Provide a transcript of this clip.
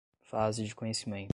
fase de conhecimento